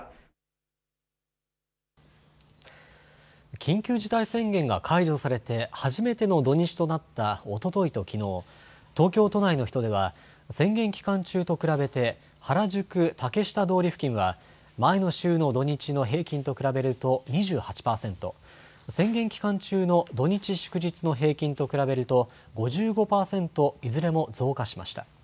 緊急事態宣言が解除されて初めての土日となったおとといときのう、東京都内の人出は宣言期間中と比べて原宿竹下通り付近は前の週の土日の平均と比べると２８％、宣言期間中の土日、祝日の平均と比べると５５％いずれも増加しました。